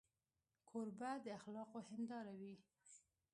کوربه د اخلاقو هنداره وي.